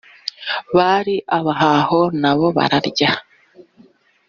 bari abahaho na bo bararya